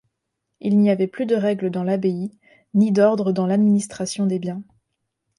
Il n'y avait plus de règle dans l'abbaye, ni d'ordre dans l'administration des biens.